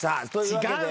違う！